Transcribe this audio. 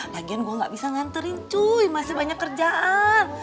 lagian gua nggak bisa nganterin cuy masih banyak kerjaan